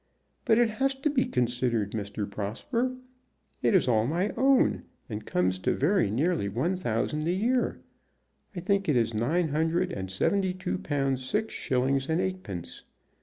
"But it has to be considered, Mr. Prosper. It is all my own, and comes to very nearly one thousand a year. I think it is nine hundred and seventy two pounds six shillings and eightpence.